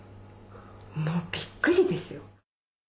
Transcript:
もうびっくりですよ。